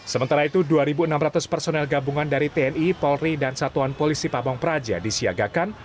sementara itu dua enam ratus personel gabungan dari tni polri dan satuan polisi pabong praja disiagakan